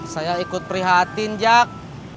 saya ikut prihatin jak